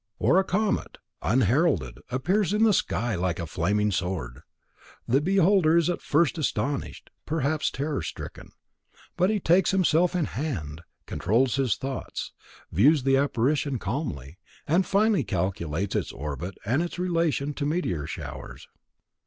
Or a comet, unheralded, appears in the sky like a flaming sword. The beholder is at first astonished, perhaps terror stricken; but he takes himself in hand, controls his thoughts, views the apparition calmly, and finally calculates its orbit and its relation to meteor showers.